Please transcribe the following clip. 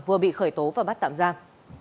vừa bị khởi tố và bắt tạm giam